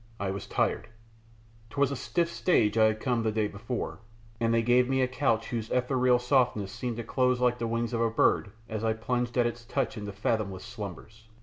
I was tired. 'Twas a stiff stage I had come the day before, and they gave me a couch whose ethereal softness seemed to close like the wings of a bird as I plunged at its touch into fathomless slumbers.